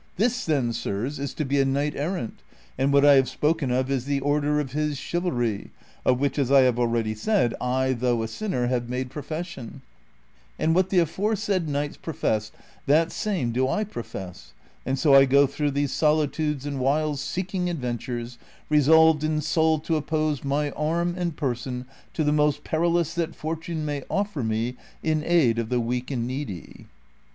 This, then, sirs, is to be a knight errant, and what I have spoken of is the order of his chivalry, of which, as I have already said, I, though a sinner, have made profession, and what the aforesaid knights professed that same do I profess, and so I go through these solitudes and wilds seeking adventures, resolved in soul to oppose my arm and person to the most perilous that fortune may offer me in aid of the weak and needy."